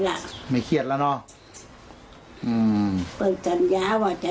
จะไม่เครียดขนาดวัน